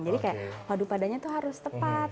jadi kayak padu padanya tuh harus tepat